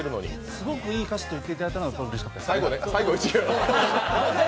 すごくいい歌詞と言っていただいたのがうれしかったです。